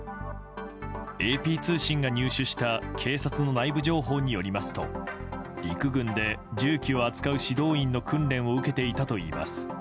ＡＰ通信が入手した警察の内部情報によりますと陸軍で銃器を扱う指導員の訓練を受けていたといいます。